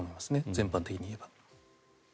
全般的に言えば。